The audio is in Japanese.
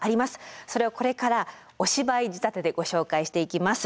それをこれからお芝居仕立てでご紹介していきます。